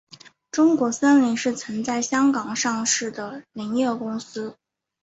中国森林是曾在香港上市的林业公司。